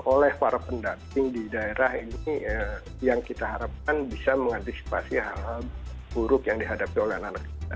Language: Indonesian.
oleh para pendamping di daerah ini yang kita harapkan bisa mengantisipasi hal hal buruk yang dihadapi oleh anak anak kita